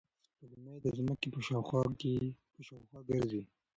سپوږمۍ د ځمکې په شاوخوا ګرځي.